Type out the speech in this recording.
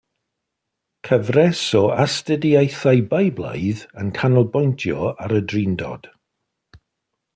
Cyfres o astudiaethau Beiblaidd yn canolbwyntio ar y Drindod.